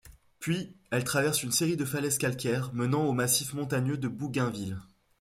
Puis, elle traverse une série de falaises calcaires menant au massif montagneux de Bougainville.